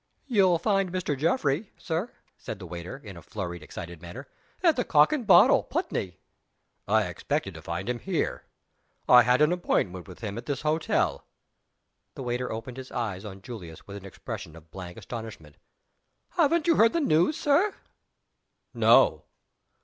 "You'll find Mr. Geoffrey, Sir," said the waiter, in a flurried, excited manner, "at the Cock and Bottle, Putney." "I expected to find him here. I had an appointment with him at this hotel." The wait er opened his eyes on Julius with an expression of blank astonishment. "Haven't you heard the news, Sir?" "No!"